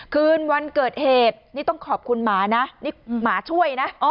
คืนวันเกิดเหตุนี่ต้องขอบคุณหมานะนี่หมาช่วยนะ